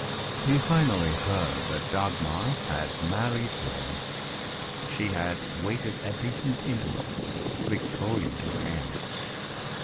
He finally heard that Dagmar had married Waram. She had waited a decent interval Victorian to the end!